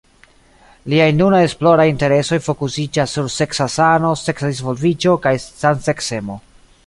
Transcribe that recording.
Liaj nunaj esploraj interesoj fokusiĝas sur seksa sano, seksa disvolviĝo kaj samseksemo.